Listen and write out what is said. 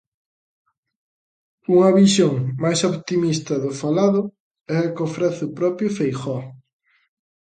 Unha visión máis optimista do falado é a que ofrece o propio Feijóo.